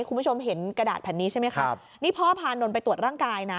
คุณผู้ชมเห็นกระดาษแผ่นนี้ใช่ไหมครับนี่พ่อพานนท์ไปตรวจร่างกายนะ